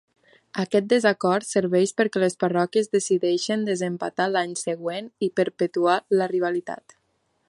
Aquest desacord serveix perquè les parròquies decideixin desempatar l'any següent i per perpetuar la rivalitat.